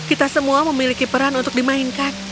kita semua memiliki peran untuk dimainkan